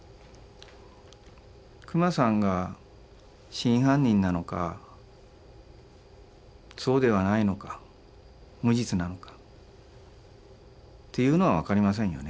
久間さんが真犯人なのかそうではないのか無実なのかっていうのは分かりませんよね